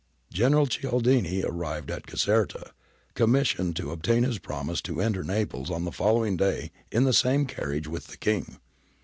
General Cialdini arrived at Caserta, commissioned to obtain his promise to enter Naples on the following day in the same carriage with the King.